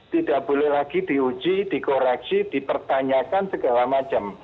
tidak boleh lagi diuji dikoreksi dipertanyakan segala macam